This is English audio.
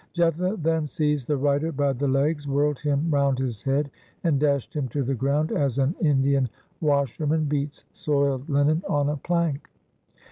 Jetha then seized the rider by the legs, whirled him round his head, and dashed him to the ground as an Indian washerman beats soiled linen on a plank.